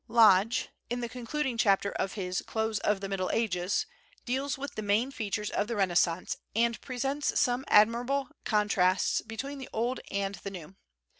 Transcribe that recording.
Lodge, in the concluding chapter of his "Close of the Middle Ages," deals with the main features of the Renaissance and presents some admirable contrasts between the old and the new.